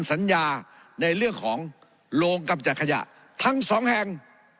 สัญญาในเรื่องของโรงกำจัดขยะทั้งสองแห่ง